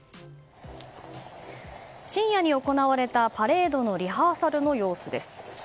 深夜に行われたパレードのリハーサルの様子です。